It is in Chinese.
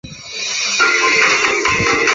目前也是杨氏蜥的一个次异名。